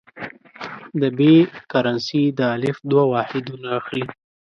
د ب کرنسي د الف دوه واحدونه اخلي.